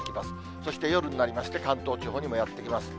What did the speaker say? そして夜になりまして、関東地方にもやって来ます。